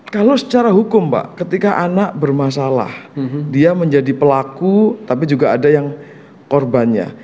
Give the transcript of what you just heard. kalau secara hukum pak ketika anak bermasalah dia menjadi pelaku tapi juga ada yang korbannya